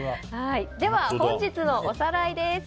では、本日のおさらいです。